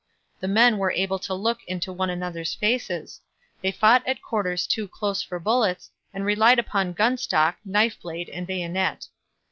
The men were able to look into one another's faces; they fought at quarters too close for bullets, and relied upon gun stock, knife blade, and bayonet.